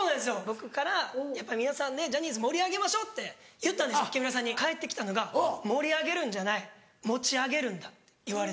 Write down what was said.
僕から「やっぱり皆さんでジャニーズ盛り上げましょう」って言ったんですよ木村さんに返ってきたのが「盛り上げるんじゃない持ち上げるんだ」って言われて。